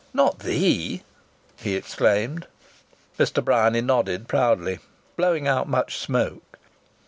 "Not the ?" he exclaimed. Mr. Bryany nodded proudly, blowing out much smoke.